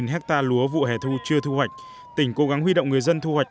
năm ha lúa vụ hẻ thu chưa thu hoạch tỉnh cố gắng huy động người dân thu hoạch